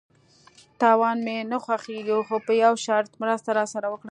_تاوان مې نه خوښيږي، خو په يوه شرط، مرسته راسره وکړه!